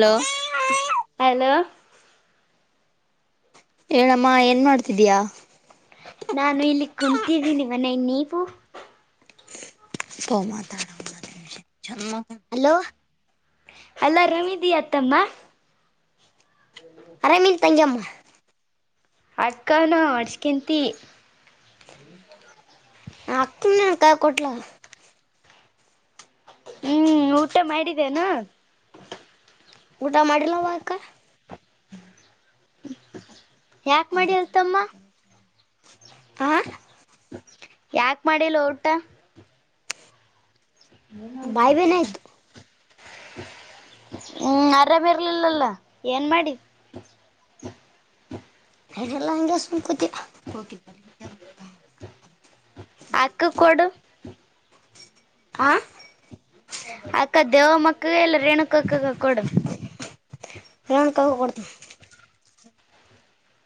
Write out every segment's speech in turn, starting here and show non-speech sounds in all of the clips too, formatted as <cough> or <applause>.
Hello. Hello. ಹೇಳಮ್ಮ ಏನ್ ಮಾಡ್ತಿದೀಯ. ನಾನು ಇಲ್ಲಿ ಕುಂತಿದ್ದೀನಿ ಮನೆಗೆ ನೀವು. ಹಲೋ. ಹಲೋ ಆರಾಮಿದಿಯ ಅತ್ತಮ್ಮ. ಆರಾಮಿನಿ ತಂಗ್ಯಮ್ಮಾ. ಅಕ್ಕಾ ಅನು ಹೊಡ್ಸ್ಕಂತಿ. ನಾ ಅಕ್ಕನಕ ಕೊಟ್ಲ ಹ್ಮ್ ಊಟ ಮಾಡಿದ್ದೇನಾ ಊಟ ಮಾಡಡಿಲ್ಲವಾಕ್ಕ ಯಾಕ ಮಾಡಿಲ್ತಮ್ಮ ಹಾ ಯಾಕ ಮಾಡಿಲ್ಲ ಊಟ ಬಾಯ್ ಬೇನ ನೀನತ ಆಯ್ತು ಹ್ಮ್ ಆರಾಮ ಇರ್ಲಿಲ್ಲಲ್ಲ ಏನ್ ಮಾಡಿ ಹಡಲ್ಲಂಗಂಗಸಕತಿ ಆಕ್ಕ ಕೊಡು ಆ ಅಕ್ಕ ದೇವಮ್ಮಕ್ಕಗೆ ಎಲ್ಲ ರೇಣುಕ ಅಕ್ಕಕ್ಕ ಕೊೋಡ ರಾಣಕಾಗ ಕೊಡತ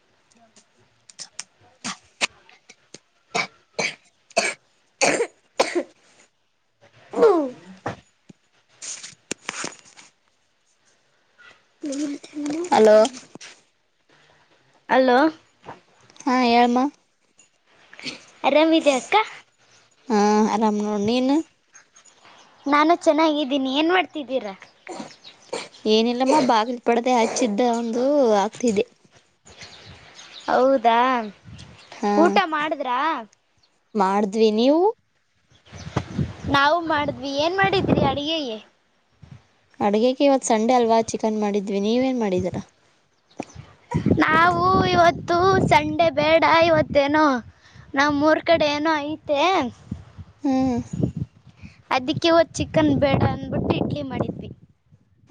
<unintelligible> <inaudible> ಹಲೋ ಅಲೋ ಹಾ ಏಳಾಮ ರಮಿದೆ ಅಕ್ಕ <unintelligible> ಇನ್ನು ನಾನು ಚೆನ್ನಾಗಿದ್ದೀನಿ ಏನ್ ಮಾಡ್ತಿದ್ದೀರ ಮ್ಮ ಬಾಗಿಲ ಪಡದೆ ಹಚ್ಚಿದ್ದ ಒಂದು ಆಗ್ತಿದೆ ಹೌದಾ ಹಾ ಊಟ ಮಾಡಿದ್ರಾ ಮಾಡಿದ್ವಿ ನೀವು ನಾವು ಮಾಡಿದ್ವಿ ಏನ್ ಮಾಡಿದ್ರಿ ಅಡಿಗೆಯ ಅಡ್ಗಗೆ ಇವತ್ ಸಂಡೆ ಅಲ್ವಾ ಚಿಕನ್ ಮಾಡಿದ್ವಿ ನೀವೇನ್ ಮಾಡಿದೀರಾ ನಾವು ಇವತ್ತು ಸಂಡೆ ಬೇಡ ಇವತ್ತೇನೋ ನಮ್ ಮೂರ್ ಕಡೆ ಏನೋ ಐತೆ ಹ್ಮ್ ಅದಕ್ಕೆ ಹದ್ ಚಿಕನ್ ಬೇಡ ಅನ್ಬಿಟ್ಟು ಇಡ್ಲಿ ಮಾಡಿದ್ವಿ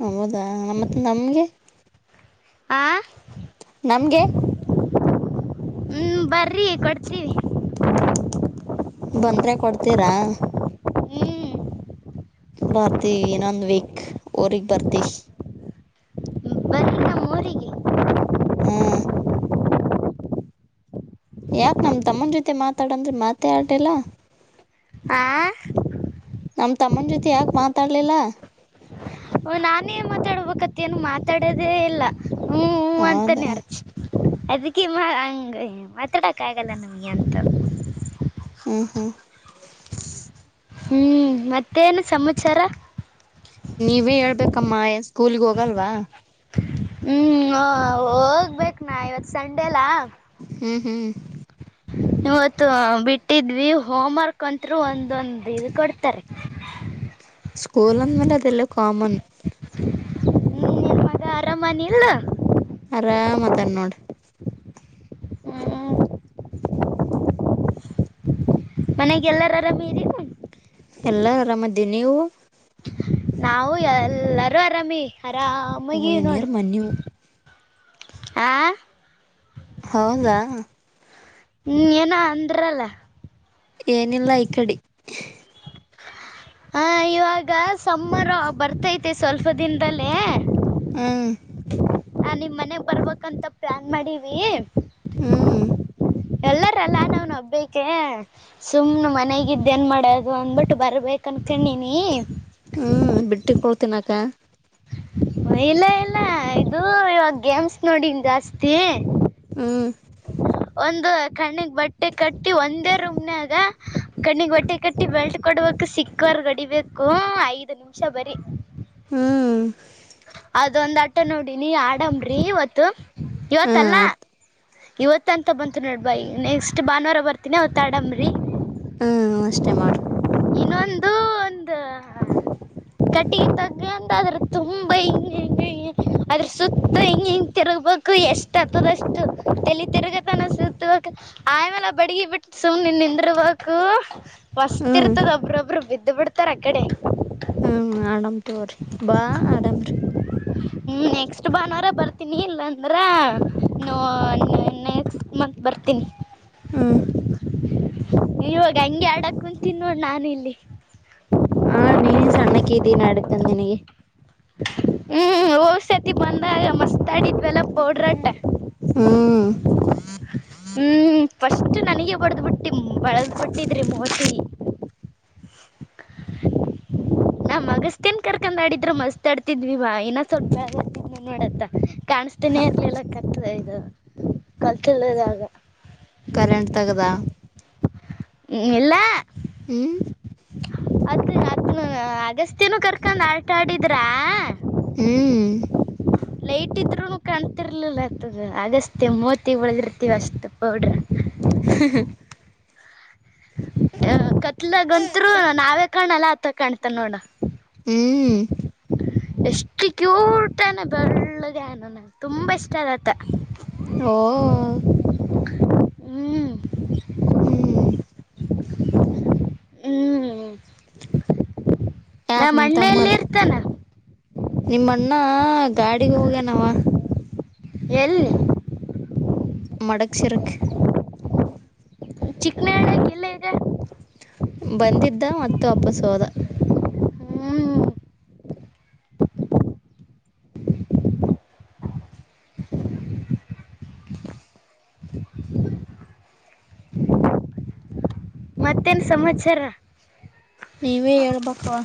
ಹೌದಾ ಮತ್ ನಮ್ಗೆ ಆ ನಮ್ಗೆ ಹ್ಮ್ ಬರ್ರಿ ಕೊಡ್ತೀವಿ ಬಂದ್ರೆ ಕೊಡ್ತೀರಾ ಹ್ಮ ಬರ್ತಿ ಇನೊಂದ್ ವೀಕ್ ಊರಿಗೆ ಬರ್ತಿ ಬರ್ರಿ ನಮ್ಮ ಊರಿಗೆ ಹ್ಮ್ ಯಾಕ ನಮ ತಮ್ಮನ ಜೊತೆ ಮಾತಾಡಂದ್ರೆ ಮಾತೇ ಆಟಲ್ಲ ಆ ನಮ ತಮ್ಮನ ಜೊತೆ ಯಾಕ ಮಾತಾಡ್ಲಿಲ್ಲ ನಾನೇ ಮಾತಾಡ್ಬೇಕತಿ ಏನ್ ಮಾತಾಡೋದೇ ಇಲ್ಲ ಹ್ಮ್ ಹ ಹೌದಾ ಅಂತಾನೆರಚು ಅದಕ್ಕೆೆ ಮಾ ಅಂಗ ಅತ ಮಾತಾಡಕ್ಕೆ ಆಗಲ್ಲ ಅಂತ ಹ್ಮ ಹ್ಮ ಹ್ಮ್ ಮತ್ತೇನು ಸಮಾಚಾರ ನೀವೇ ಹೇಳ್ಬೇಕಮ್ಮ ಸ್ಕೂಲ್ಗ್ ಹೋಗಲ್ವಾ ಹ್ಮ್ ಹೋಗ್ಬೇಕ ನಾ ಇವತ್ತು ಸಂಡೆಲ್ಲಾ ಹ್ಮ್ ಹ್ಮ್ ಇವತ್ತು ಬಿಟ್ಟಿದ್ವಿ ಹೋಮ್ ವರ್ಕ್ ಅಂತರು ಒಂದೊಂದ್ ಇ ಕೊಡ್ತಾರೆ <inaudible> ಸ್ಕೂಲ್ ಅಂದ ವಲೆ ಅದೆಲ್ಲ ಕಾಮನ್ ಹ್ಮ್ ನೀನ್ ಮಗ ಆರಾಮಾನ ಇಲ್ಲ. ಆರಾಮ್ ಅದಾನ್ ನೋಡ. ಹ್ಮ್ ಮನ್ಯಾಗ ಎಲ್ಲರು ಆರಾಮ್ ಇರಿ. ಎಲ್ಲಾರು ಆರಾಮದೀವಿ ನೀವು. ನಾವು ಎಲ್ಲಾರೂ ಆರಾಮಿ ಇವಿ ಇವು ಆರಾಮಾಗಿ ಇವಿ ನೋಡ್. ಇವ್ನಿಯರ್ ಮನ್ನಿವು ಆ. ಹೌದಾ. ಹ್ಮ್ ಏನೋ ಅಂದ್ರಲ್ಲ. ಏನಿಲ್ಲ ಈ ಕಡಿ. ಹ ಇವಾಗ ಸಮ್ಮಾರ ಬರ್ತೈತೆ ಸ್ವಲ್ಪ ದಿನದಲ್ಲೇ. ಹ್ಮ. ನಾ ನಿಮ್ ಮನೆಗ್ ಬರ್ಬೇಕಂತ ಪ್ಲಾನ್ ಮಾಡೀವಿ. ಹ್ಮ್. ಎಲ್ಲಾರಲ್ಲ ನಾವ್ನ್ ಒಬ್ಬಿಕೆ ಸುಮ್ನ ಮನೆಗಿದ್ದ ಏನ್ ಮಾಡೋದು ಅಂದಬಿಟ್ಟು ಬರ್ಬೇಕ. ಅನ್ಕೊಂಡಿನಿ. ಹ್ಮ್ ಬಿಟ್ಟಿ ಪೋವ ತಿನಕ. ಇಲ್ಲ ಇಲ್ಲ ಇದು ಇವಾಗ ಗೇಮ್ಸ್ ನೋಡಿನ್ ಜಾಸ್ತಿ. ಹ್ಮ್. ಒಂದ ಕಣ್ಣಿಗ್ ಬಟ್ಟೆ ಕಟ್ಟಿ ಒಂದೇ ರೂಮ್ ನ್ಯಾಗ ಕಣ್ಣಿಗ ಬಟ್ಟೆ ಕಟ್ಟಿ ಬೆಲ್ಟ್ ಕೊಡ್ ಬೇಕು. ಸಿಕ್ಕವರಿಗಿ ಹೊಡಿಬೇಕು ಐದು ನಿಮಿಷ ಬರೀ. ಹ್ಮ್. ಅದೊಂದ್ ಆಟ ನೋಡಿನಿ ಆಡಂಬ್ರಿ ಇವತ್ತು ಇವತ್ತಲ್ಲ. ಆಯ್ತು ಇವತ ಅಂತ ಬಂತು ನೋಡು ಬಾಯಿ ಗಿ ನೆಕ್ಸ್ಟ್ ಭಾನುವಾರ ಬರ್ತೀನ ಅವತ್ ಆಡಂಬ್ರಿ. ಇದನು ಅಷ್ಟೇ ಮಾಡ. ಇನ್ನೊಂದು ಒಂದ ಕಟ್ಟಿಗಿ ತೊಗೊಂಡ ಅದ್ರ ತು <inaudible> <unintelligible> ಅದ್ರ ಸುತ್ತ ಹಿಂಗ ಹಿಂಗ ತಿರುಗ್ಬೇಕು ಎಷ್ಟ ಆತದ ಅಷ್ಟ ತೇಲಿ ತಿರುಗತಾನ ಸುತ್ತಬೇಕ. ಆಮೇಾಲ ಬಡಗಿ ಬಿಟ್ಟ ಸುಮ್ ನಿನ್ ನಿಂದರ್ ಬಕು. ಮಸ್ತ ಹ್ಮ್ ಇರ್ತದ ಒಬ್ರೊಬ್ರು ಬಿದ್ದು ಬಿಡ್ತಾರ ಅ ಕಡೆ. ಹ್ಮ ಆಡಮ ತೊಗೊ ರಿ ಬಾ ಆಡಮ್ರೀ. ಹ್ಮ ನೆಕ್ಸ್ಟ್ ಭಾನುವಾರ ಬರ್ತೀನಿ ಇಲ್ಲಂದ್ರ ನೋ ನೆಕ್ಸ್ಟ್ ಮ ಬರ್ತಿನಿ. ಹ್ಮ್ ಇವಾಗ ಹಂಗೆ ಆಡಕ್ ಕುಂತಿ ನೋಡ ನಾನು ಇಲ್ಲಿ. ಹಾ ನಿ ಏನ ಸಣ್ಣಕ್ಕಿ ಇದ್ದೀ ನಡತಂದ ನಿನಗೆ. ಹ್ಮ್ ಹೋರ್ಸತಿ ಬಂದಾಗ ಮಸ್ತ್ ಆಡಿದ್ವಿಲ್ಲ ಪೌಡ್ರ ಅಟ್ಟ. ಹ್ಮ್ ಹ್ಮ್. ಫಸ್ಟ್ ನನಗೆ ಬಡದ್ ಬಿಟ್ಟಿ ಬಳದ್ ಬಿಟ್ಟಿದ್ರಿ ಮೋತಿಗಿ. <inaudible> ನಮ್ ಅಗಸ್ತ್ಯನ್ ಕರ್ಕೊಂಡ್ ಆಡಿದ್ರರು ಮಸ್ತ್ ಆಡ್ತಿದ್ವಿ ವಾ ಇನ್ನ ಸ್ವಲ್ಪಿ ಬ್ಯಾರೆದ ಏನ. <unintelligible> ನೋಡತ್ತ ಕಾಣಸ್ತೀನಿ ಇರ್ಲಿಲ್ಲ ಕತ್ತ ಇದು ಕತ್ತುಲ್ ದಾಗ. ಕರೆಂಟ್ ತಗದಾ. ಹ್ಮ್ ಇಲ್ಲ. ಹ್ಮ. ಅದ ಅದನ್ನು ಅಗಸ್ತ್ಯನ ಕರ್ಕೊಂಡ ಆಟ ಆಡಿದ್ರಾ. ಹ್ಮ್. ಲೈಟ್ ಇದ್ರು ಕಾಣ್ತಿರ್ಲಿಲ್ಲ ಹಂತದು ಅಗಸ್ತ್ಯ ಮೋತಿಗ ಬೆಳದಿರ್ತೀವಿ ಅಷ್ಟ ಪೌಡ್ರ. ಅ ಕತ್ತಲಾಗ ಅಂತ್ರು ನಾವೇ ಕಾಣಲ್ಲ ಆತ ಕಾಣ್ತನ್ ನೋಡ. ಹ್ಮ್. ಎಷ್ಟು ಕ್ಯೂಟ್ ಅನಾ ಬೆಳ್ಳಗ ಅನ ನಂಗ ತುಂಬಾ ಇಷ್ಟ ಅದತ. ಹಓ ಹ್ಞೂ ಹ್ಮ್ ಹ್ಮ್ ನಾ ಅಣ್ಣೆಯಲ್ಲಿ ಇರ್ತಾನ ನಿಮ್ಮಣ್ಣ ಗಾಡಿಗೆ ಹೋಗ್ಯನವ ಎಲ್ಲಿಲ್ಲಿ ಮಡಗಚಿರಕ್ ಚಿಕ್ನಹಳ್ಳ ಎಲ್ಲೇ ಇದೆ ಬಂದಿದ್ದ ಮತ್ತು ಅಪ್ಪ ಸೋದ ಹ್ಞೂ ಮತ್ತೇನು ಸಮಾಚಾರ ನೀವೇ ಹೇಳ್ಬೇಕವ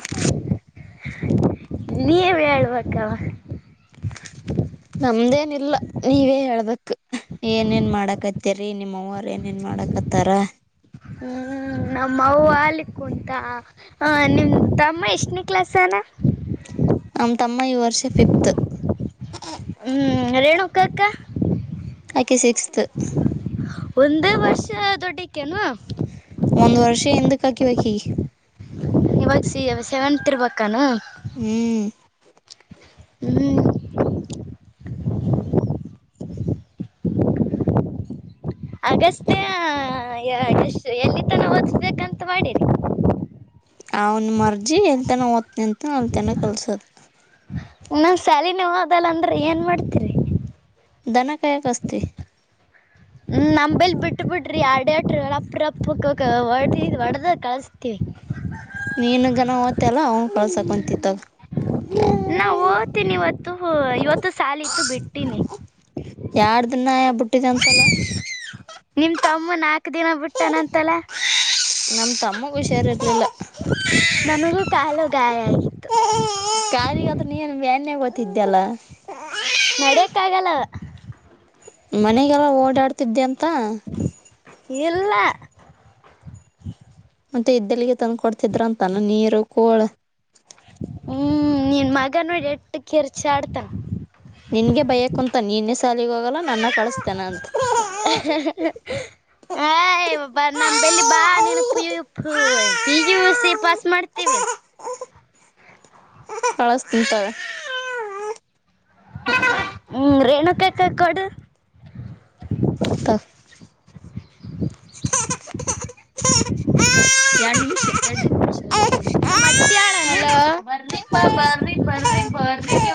ನೀವ್ ಹೇಳ್ಬೇಕವಾ ತಮ್ದೇನ ಇಲ್ಲ ನೀವೇ ಹೇಳದಕ್ ಏನೇನ್ ಮಾಡಕತ್ತರಿ ನಿಮ್ಮವರು ಏನೇನ್ ಮಾಡಕತ್ತ ತರ ಹ್ಮ್ ನಮ್ಮ ಆಲಿಕ್ ಕುಟ ಹ ನಿಮ ತಮ್ಮ ಎಷ್ಟನ ಕ್ಲಾಸ್ನ ನಮ ತಮ್ಮ ಈ ವರ್ಷ ಫತ್ ಹ್ಮ್ ರೇಣುಕಾಕ್ಕ ಆಕ್ಕೆಸಿಕ್ಸ್ ಒಂದೇ ವರ್ಷ ದೊಡ್ಡಕ್ಕೆನುವಾ ಒಂದು ವರ್ಷ ಎಂದ ಕಕಿವಕಿ ಇವಾಗ ಸಿ ಸೆವೆನ್ತ್ ಇರ್ಬಾನು ಹ್ಮ ಹ್ಮ್ ಅಗಷ್ಟೇಶು ಎಲ್ಲಿ ತನ ಓದಿಸ್ಬೇಕಂತ ಮಾಡಿರಿ ಅವನ ಮರ್ಜಿ ಎಲ್ತನ ಓದ್ನಂತನ ಅಲ್ತನ ಕಲ್ಸದ ನನ್ ಸಾಲಿನ ಹದಲ್ಲ ಅಂದ್ರೆ ಏನ್ ಮಾಡ್ತೀರಿ ದಾನ ಕಾಯ ಕಾಯ್ಬೇಕಷ್ಟೇ ಹ್ಮ ನೇಲ್ ಬಿಟ್ಟ ಬಿಡ್ರಿ ಆಡಟ್ರ ರಪ ರಪ್ಪ ಹೊ ಹೊಡದಾಗ ಕಳಸ್ತಿವಿ ನೀನು ಗನ ತ್ತ ಅಲ್ಲ ಅವನ್ ಕಳ್ಸಕೊಂತತ್ತಾಗ ನಾ ಓದ್ತೀನಿ ಇವತ್ತು ಹ ಇವತ್ತು ಸಾಲ ಇತ್ತು ಬಿಟ್ಟೀನಿ ಯಾರ್ದ ನಬುಟ್ಟಿದ ಅಂತಲ್ಲ ನಿಮ್ ತಮ್ಮ ನಾಕ್ ದಿನ ಬಿಟ್ಟಾನಂತಲ್ಲ ನಮ್ ತಮ್ಮ ಹುಷಾರಿ ಇರ್ಲಿಲ್ಲ ನನಗೂ ಕಾಲು ಗಾಯ ಆಗಿತ್ತು ಗೊತ್ತಿದ್ದ್ಯಲ್ಲ ನಡ್ಯಕ್ಕ ಆಗಲ್ಲ ಮನೆಗೆಲ್ಲ ಓಡಾಡ್ತಿದ್ದೆ ಅಂತ ಇಲ್ಲ ಮತ್ತೆ ಇದ್ದಲ್ಲಿಗೆ ತಂದು್ ಕೊಡ್ತಿದ್ರ ಅಂತಾನ ನೀರು ಕೋಳ ಹ್ಮ್ ನಿನ್ ಮಗ ನೋಡಿ ಎಟ್ಟ ಕಿರ್ಚಿ ಆಡ್ತನ್ ನಿನ್ಗೆ ಬಯಕ್ತ ನೀನೇ ಸಾಲಿಗ ಹೋಗಲ್ಲ ನನ್ನ ಕಳಸ್ತಾನ ಅಂತ ಹ ಬ ನಾಮ <unintelligible> ಬೆಲ್ಲಿ ಬಾ ನೆನ ಪುಯ ಉಪ್ಪು ದೇಸಿ ಪಾಸ್ ಮಾಡ್ತೀನಿ ಪಗಿಸ ಕಳಸ ಕಳಸದ ಹ್ಮ್ ರೇಣುಕಾ ಕ ಕೊಡು ತಗೋ. <unintelligible> ಹಲೋ ಬ ನಮ್ಮ ಅತ್ತೆ ಆಳನು <unintelligible> ಪ್ಪಾ ಬರ್ರಿ ಬರ್ರಿ ಬರ್ರಿ ನೀ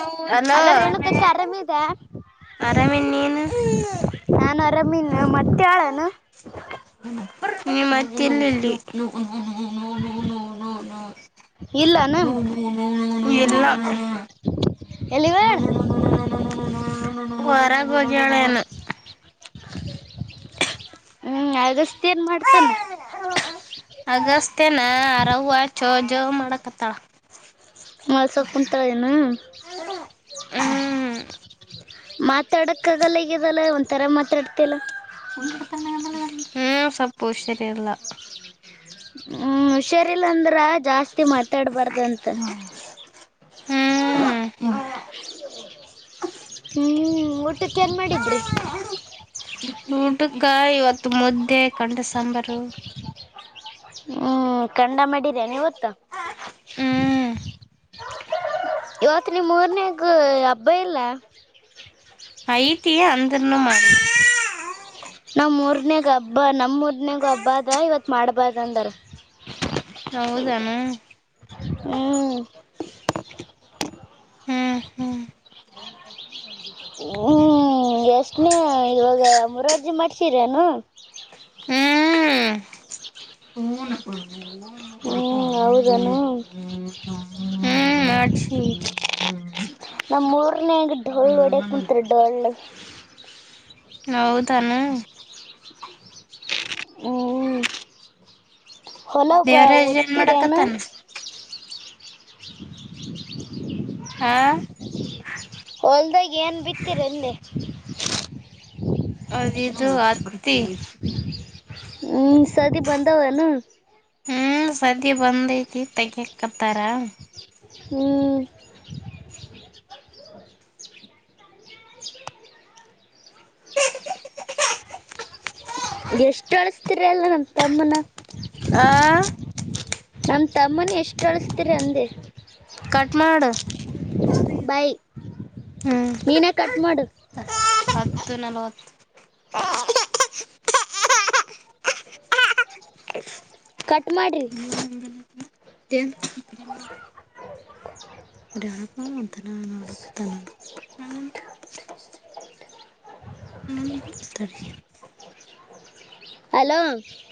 ಅಲ್ಲ ರೇಣುಕಕ್ಕೆ ಆರಾಮ ಇದೆ ಆರಾಮಿನ್ ನೀನು ನಾನು ಆರಾಮಿಲ ನಮತ್ತೆದಳೇನು ನಿಮ್ಮ ಅತ್ತೆ ಇಲ್ಲ ಇಲ್ಲಿ ಹ್ಮ ಇಲ್ಲನ ಎಲ್ಲಿಗ ಹೇಳ ನ ನ ನ ನ ನ ನ ನಾರ ಅ ಹೊರಗ್ ಹೋಗ್ಯಾರ ಏನು ವರ ಗೆಳೆಯನ ಹ್ಮ್ ಅಗಸ್ತಿ ಏನ್ ಮಾಡ್ತಾನ ಅಷ್ಟೇನಾ ಆರಾಮ ಜೂಜು ಮಾಡಕತ್ತಾಳ ಮಾಡಕ್ಕತ್ತ ನಲ್ಸ ಕುಂತಳನು ಏನೋ ಹ್ಮ್ ಮಾತಾಡಕ್ಕ ಆಗಲ್ಲ ಹಗದಲ್ಲ ಒಥರ ಮಾತಾಡ್ತಿಲ್ಲ ಹ <unintelligible> ಹ್ಮ್ ಸಪ್ಪು ಸರಿ ಇಲ್ಲ ಹ್ಮ ಹುಷಾರಲ ಅಂದ್ರ ಜಾಸ್ತಿ ಮಾತಾಡ್ಬಾರ್ದಂತ ಹ್ಮ್ ಹ್ಞೂ ಊಟಕ್ಕೆ ಏನು ಮಾಡಿದ್ರಿ ಊಟಕ್ಕ ಇವತ್ತು ಮುದ್ದೆ ಕಂಡು ಸಾಂಬಾರು ಹ್ಮ್ ಕಂಡ ಮಾಡಿರಿ ಇವತ್ತು ನೀವತ್ತ ಹ್ಮ್ ಇವತ್ತು ನೀಮ್ಮ ಮೂರನೇಾಗ ಹಬ್ಬ ಇಲ್ಲ ಐತಿ ಅಂದನು ಮಾಡಿ ನಮಮ್ಮ ಮೂರ್ನೇಗ ಹಬ್ಬ ನಮ್ ಮೂರ್ನಗ್ ಹಬ್ಬ ಅದ ಇವತ್ ಮಾಡ್ಬಾರ್ದ ಅಂದಾರ ಹೌದೇನೋ ಹ್ಮ ಹ್ಮ್ ಹ್ಮ್ ಹ್ಞೂ ಎಷ್ಟನೇ ಇವಾಗ ಮೂರರ್ಜಿ ಮಾಡ್ಸಿರೇನು ಹ್ಮ್ ಹ್ಮ್ ಹೌದನು ಕ್ಷಿ <unintelligible> ನಮ್ಮ ಮೂರನೇಗೆ ಡೊಳ್ಳು ಹೊಡ್ಯಕ್ ಕುಂತ್ಾರೆ ಡೊಳ್ಳು ಹೌದಾನು ಹು ಹೊಲ ದೇವರಾಜ್ ಏನ್ ಉತ್ತಿರು ಏನು ಮಾಡಕತ್ತಾನ <inaudible> ಆ ಹೊಲ್ದಾಗ ಏನ್ ಬಿತ್ತೀರಿ ಅಂದೇ ಅದ ಇದು ಹತ್ತಿ ಹ್ಮ್ ಸದಿ ಬಂದಾವನು ಹ್ಮ್ ಸದ್ಯ ಬಂದೈತಿ ತೇಗಕತ್ತಾರ ಹ್ಮ್ ಎಷ್ಟ್ ಅಳಸ್ತಿರ ಅಲ್ಲನಮ್ಮ್ ತಮ್ಮನ ಆ ನಮ ತಮ್ಮನ ಎಷ್ಟ್ ಅಳ್ಿಸತರಿ ಅಂದೆ ಕಟ್ ಮಾಡು ಬಾಯ್ ಹ್ಮ್ ನೀನೇ ಕಟ್ ಮಾಡು ಹತ್ತು ನಲವತ್ತು <unintelligible> ಕಟ್ ಮಾಡ್ರಿ ತ <unintelligible> ಒ ಅಳಪ ಒಂತನ ನೋಳ ಕತನ ತರಿ ಹಲೋ